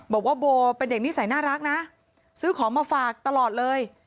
บอกว่าโบเป็นเด็กนิสัยน่ารักนะซื้อของมาฝากตลอดเลย